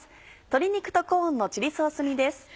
「鶏肉とコーンのチリソース煮」です。